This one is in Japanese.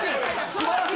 素晴らしい。